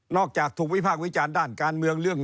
นอกจากถูกวิภาควิจารณ์ด้านการเมืองเลือกนั้น